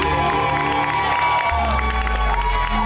๑ล้าน